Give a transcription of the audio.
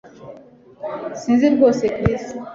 Sinzi rwose Chris